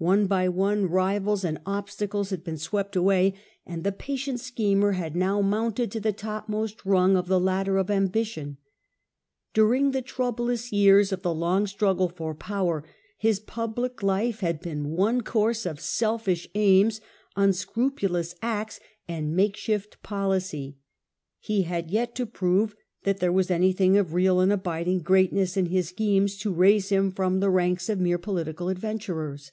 One by one rivals ^, and obstacles had been swept away, and the The remark ..,,^' able change patient schcmer had now mounted to the top anus^after he ^^ost I'ound of the ladder of ambition. Dur eained abso in? the troublous years of the lon<r strucrele for lute power vr j i ^/ power his public life had been one course of selfish aims, unscrupulous acts, and makeshift policy ; he had yet to prove that there was anything of real and abid ing greatness in his schemes to raise him from the ranks of mere political adventurers.